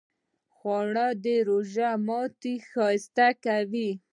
خوړل د روژه ماتی ښایسته کوي